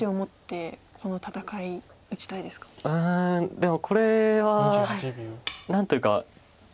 でもこれは何というか。